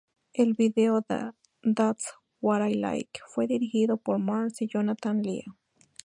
El video de "That's What I Like" fue dirigido por Mars Y Jonathan Lia.